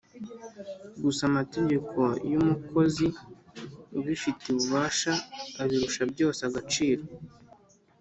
gusa amategeko yumukozi ubufitiye ububasha abirusha byose agaciro